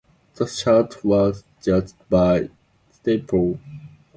The shirt was judged by Staple.